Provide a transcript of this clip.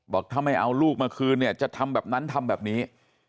บอกถ้าไม่เอาลูกมาคืนเนี่ยจะทำแบบนั้นทำแบบนี้